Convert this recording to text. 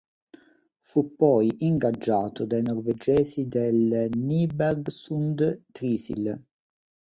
Fu poi ingaggiato dai norvegesi del Nybergsund-Trysil.